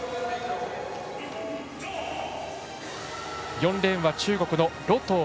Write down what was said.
４レーンは中国の盧冬。